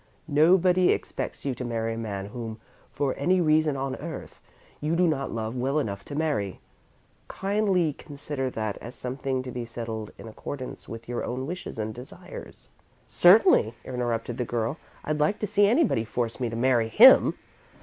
Nobody expects you to marry a man whom, for any reason on earth, you do not love well enough to marry. Kindly consider that as something to be settled in accordance with your own wishes and desires." "Certainly,"' interrupted the girl. "I'd like to see anybody force me to marry him!"